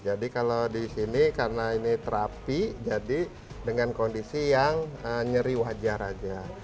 jadi kalau di sini karena ini terapi jadi dengan kondisi yang nyeri wajar saja